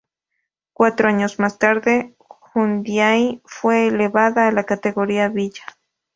Cuatro años más tarde, Jundiaí fue elevada a la categoría de villa.